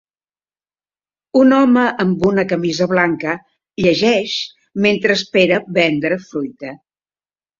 Un home amb una camisa blanca llegeix mentre espera vendre fruita.